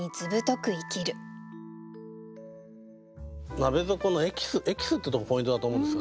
鍋底のエキス「エキス」ってとこポイントだと思うんですよね。